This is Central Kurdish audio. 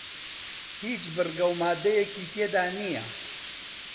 هیچ بڕگە و ماددەیەکی تێدا نییە